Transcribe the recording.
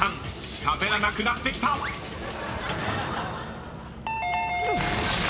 しゃべらなくなってきた］よしっ！